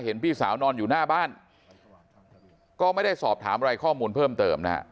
พี่สาวนอนอยู่หน้าบ้านก็ไม่ได้สอบถามอะไรข้อมูลเพิ่มเติมนะฮะ